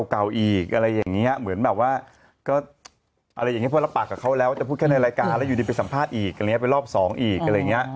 ไปรอบสองอีกอะไรอย่างนี้